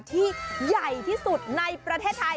ที่ใหญ่ที่สุดในประเทศไทย